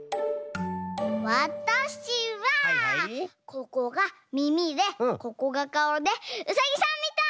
ここがみみでここがかおでうさぎさんみたい！